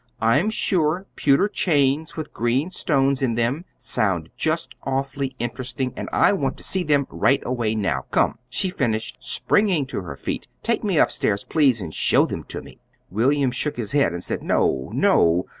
"I'm sure pewter chains with green stones in them sound just awfully interesting, and I want to see them right away now. Come," she finished, springing to her feet, "take me up stairs, please, and show them to me." William shook his head and said, "No, no!"